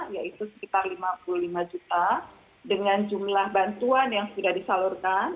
yaitu sekitar lima puluh lima juta dengan jumlah bantuan yang sudah disalurkan